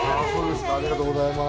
ありがとうございます。